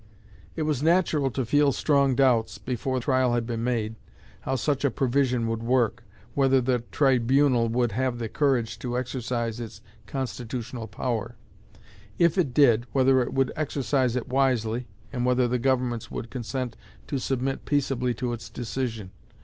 It was natural to feel strong doubts, before trial had been made, how such a provision would work; whether the tribunal would have the courage to exercise its constitutional power; if it did, whether it would exercise it wisely, and whether the governments would consent to submit peaceably to its decision.